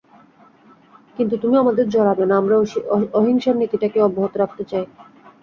কিন্তু তুমি আমাদের জড়াবে না, আমরা অহিংসার নীতিটাকেই অব্যাহত রাখতে চাই।